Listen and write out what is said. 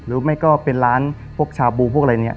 หรือไม่ก็เป็นร้านพวกชาบูพวกอะไรเนี่ย